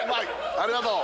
ありがとう。